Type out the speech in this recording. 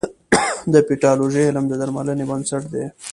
د پیتالوژي علم د درملنې بنسټ دی.